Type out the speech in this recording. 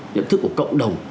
nhận thức của cộng đồng